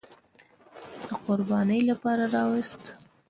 د قربانۍ لپاره راوست.